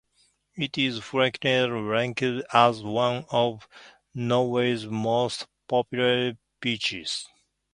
It is frequently ranked as one of Norway's most popular beaches.